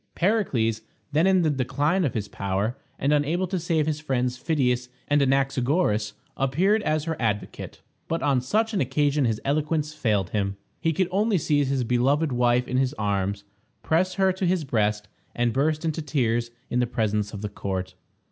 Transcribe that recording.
Pericles, then in the decline of his power, and unable to save his friends Phidias and Anaxagoras, appeared as her advocate. But on such an occasion his eloquence failed him. He could only seize his beloved wife in his arms, press her to his breast, and burst into tears in presence of the court.